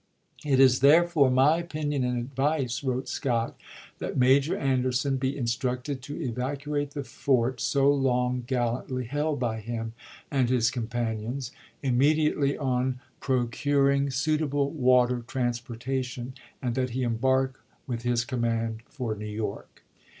"It is, therefore, my opinion and advice," wrote Scott, " that Major Anderson be in structed to evacuate the fort so long gallantly held by him and his companions, immediately on pro curing suitable water transportation, and that he embark with his command for New York."